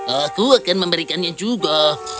aku akan memberikannya juga